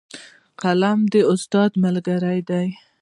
قلم د استاد ملګری دی